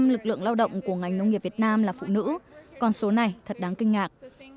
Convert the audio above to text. năm mươi lực lượng lao động của ngành nông nghiệp việt nam là phụ nữ còn số này thật đáng kinh ngạc